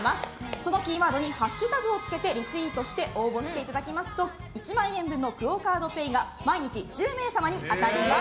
そのキーワードにハッシュタグをつけてリツイートして応募していただくと１万円分のＱＵＯカードＰａｙが毎日１０名様に当たります。